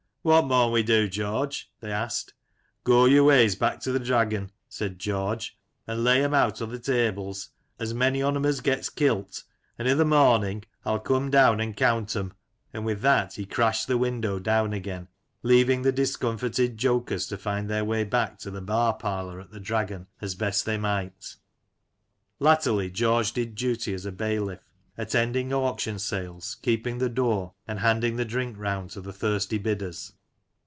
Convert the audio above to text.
" What maun we do^ George?" they asked. "Go yor ways back to th' Dragon," said George, " and lay *em out on th' tables, as mony on 'em as gets kilt, an' i'th' morning I'll come down an' count 'em," and with that he crashed the window down again, leaving the discomfited jokers to find their way back to the bar parlour at the Dragon as best they might Latterly, George did duty as a bailiff, attending auction sales, keeping the door, and handing the drink round to the thirsty bidders.